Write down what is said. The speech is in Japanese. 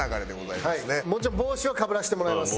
もちろん帽子はかぶらせてもらいます。